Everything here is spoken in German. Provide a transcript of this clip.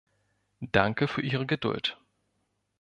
Danke für Ihre Geduld.